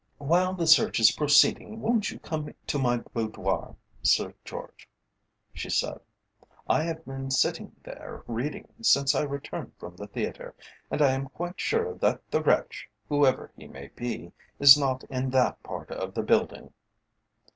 "While the search is proceeding won't you come to my boudoir, Sir George?" she said. "I have been sitting there reading since I returned from the theatre, and I am quite sure that the wretch, whoever he may be, is not in that part of the building."